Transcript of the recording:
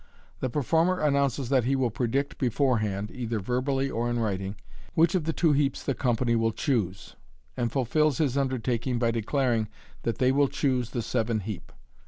The performer announces that he will predict beforehand (either verbally or in writing) which of the two heaps the company will choose j and fulfils his undertaking by declaring that they will choose " the seven heap."